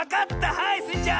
はいスイちゃん！